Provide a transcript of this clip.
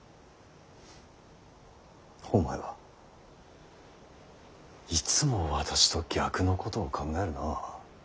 お前はいつも私と逆のことを考えるな。